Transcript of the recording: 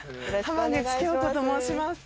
浜口京子と申します。